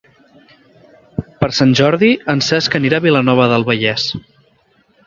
Per Sant Jordi en Cesc anirà a Vilanova del Vallès.